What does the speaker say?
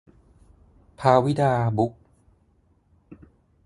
ภาวิดา บุ๊ค